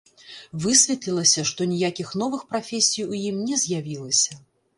Высветлілася, што ніякіх новых прафесій у ім не з'явілася.